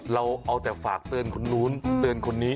เราเอาแต่ฝากเตือนคนนู้นเตือนคนนี้